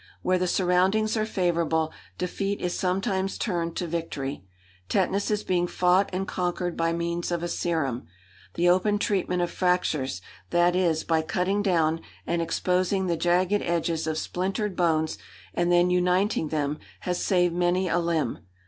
Where the surroundings are favourable, defeat is sometimes turned to victory. Tetanus is being fought and conquered by means of a serum. The open treatment of fractures that is, by cutting down and exposing the jagged edges of splintered bones, and then uniting them has saved many a limb.